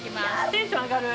テンション上がる！